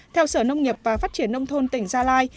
theo sở nông nghiệp và phát triển nông thôn tỉnh gia lai